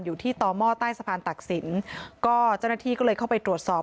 อยู่ที่ต่อหม้อใต้สะพานตักศิลป์ก็เจ้าหน้าที่ก็เลยเข้าไปตรวจสอบ